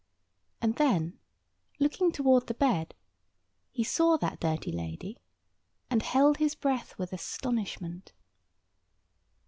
And then, looking toward the bed, he saw that dirty lady, and held his breath with astonishment.